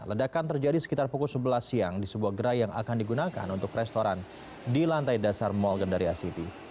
ledakan terjadi sekitar pukul sebelas siang di sebuah gerai yang akan digunakan untuk restoran di lantai dasar mall gandaria city